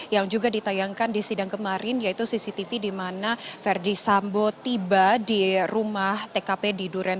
yang juga ditayangkan di sidang kemarin yaitu cctv di mana verdi sambo tiba di rumah tkp di duren